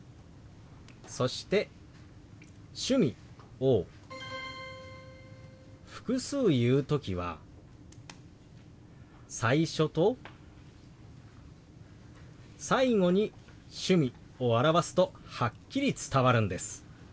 そして「趣味」を複数言う時は最初と最後に「趣味」を表すとはっきり伝わるんです。